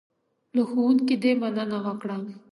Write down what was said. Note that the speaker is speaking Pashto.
له ښوونکي دې مننه وکړه .